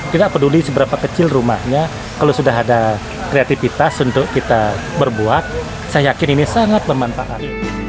tidak peduli seberapa kecil rumahnya kalau sudah ada kreativitas untuk kita berbuat saya yakin ini sangat memanfaatkan